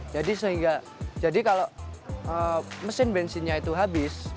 jadi kalau mesin bensinnya itu habis